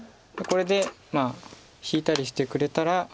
これで引いたりしてくれたら。